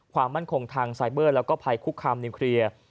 ความมั่นคงทางไซเบอร์แล้วก็ภัยคุกคามนิวเคลียร์